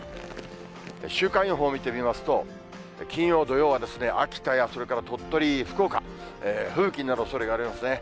週間予報見てみますと、金曜、土曜は秋田やそれから鳥取、福岡、吹雪になるおそれがありますね。